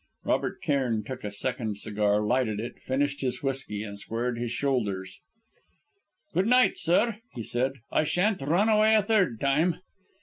Robert Cairn took a second cigar, lighted it, finished his whisky, and squared his shoulders. "Good night, sir," he said. "I shan't run away a third time!"